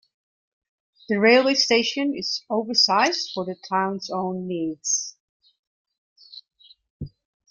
The railway station is oversized for the town's own needs.